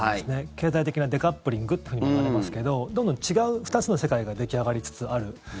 経済的デカップリングといわれますけどどんどん違う２つの世界が出来上がりつつある。